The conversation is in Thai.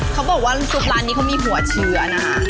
เขาบอกว่าซุปร้านนี้เขามีหัวเชื้อนะคะ